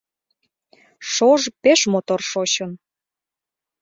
Шож пеш мотор шочын.